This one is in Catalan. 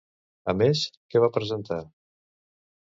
A més, què va presentar?